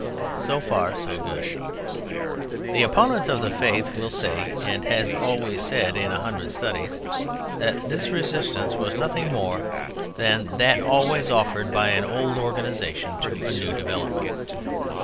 So far, so good. The opponent of the Faith will say, and has said in a hundred studies—that this resistance was nothing more than that always offered by an old organization to a new development.